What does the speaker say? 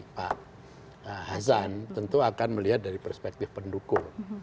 pak hasan tentu akan melihat dari perspektif pendukung